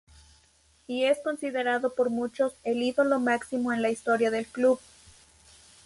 Y es considerado por muchos el ídolo máximo en la historia del club.